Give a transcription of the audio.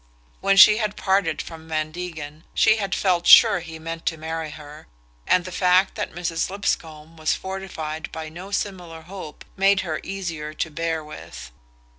When she had parted from Van Degen she had felt sure he meant to marry her, and the fact that Mrs. Lipscomb was fortified by no similar hope made her easier to bear with.